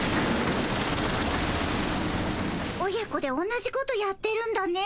親子で同じことやってるんだね。